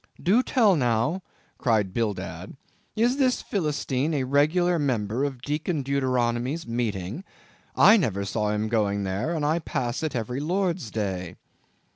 "Do tell, now," cried Bildad, "is this Philistine a regular member of Deacon Deuteronomy's meeting? I never saw him going there, and I pass it every Lord's day."